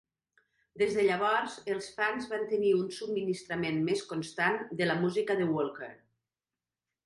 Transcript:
Des de llavors, els fans van tenir un subministrament més constant de la música de Walker.